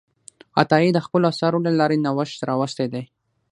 عطایي د خپلو اثارو له لارې نوښت راوستی دی.